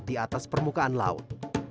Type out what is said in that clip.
di atas permukaan laut